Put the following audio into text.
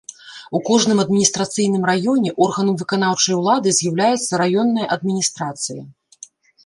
У кожным адміністрацыйным раёне органам выканаўчай улады з'яўляецца раённая адміністрацыя.